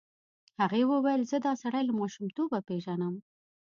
هغې وویل زه دا سړی له ماشومتوبه پېژنم.